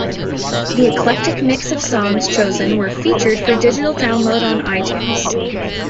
The eclectic mix of songs chosen were featured for digital download on iTunes.